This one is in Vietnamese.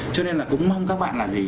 cho nên là cũng mong các bạn là gì